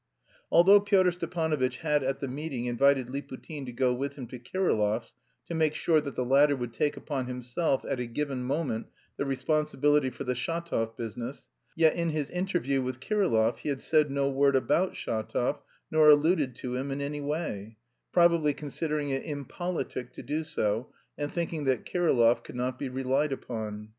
Although Pyotr Stepanovitch had at the meeting invited Liputin to go with him to Kirillov's to make sure that the latter would take upon himself, at a given moment, the responsibility for the "Shatov business," yet in his interview with Kirillov he had said no word about Shatov nor alluded to him in any way probably considering it impolitic to do so, and thinking that Kirillov could not be relied upon.